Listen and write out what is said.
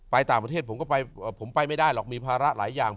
ต่างประเทศผมก็ไปผมไปไม่ได้หรอกมีภาระหลายอย่าง